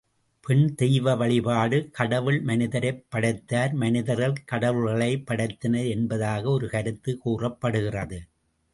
பெண் தெய்வ வழிபாடு கடவுள் மனிதரைப் படைத்தார் மனிதர்கள் கடவுள்களைப் படைத்தனர் என்பதாக ஒரு கருத்து கூறப்படுகிறது.